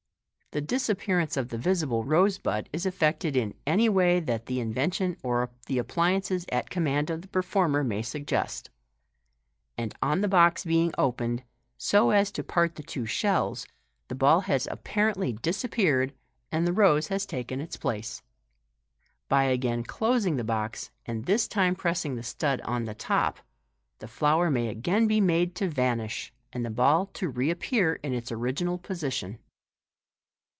Tne disappearance of the visible rose bud is effected in any way that the invention or the appliances at command of the performer may suggest ; and Fig. 131. MODERN MAGIC 3°I on the bo^ being opened, so as to part the two shells, the ball has apparently disappeared, and the rose has taken its place. By again closing the box, and this time pressing the stud on the top, the flower may again be made to vanish, and the ball to reappear in its original position.